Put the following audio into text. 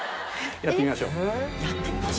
「やってみましょう」？